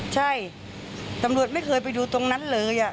ใช่ตำรวจไม่เคยไปดูตรงนั้นเลย